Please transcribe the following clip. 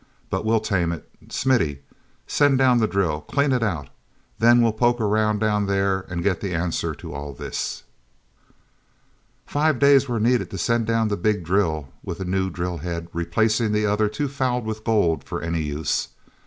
But we'll tame it, Smithy. Send down the drill. Clean it out. Then we'll poke around down there and get the answer to all this." Five days were needed to send down the big drill with a new drill head replacing the other too fouled with gold for any use.